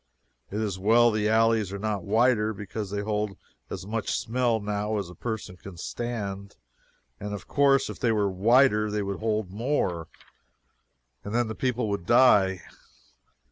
It is well the alleys are not wider, because they hold as much smell now as a person can stand, and of course, if they were wider they would hold more, and then the people would die.